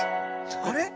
あれ？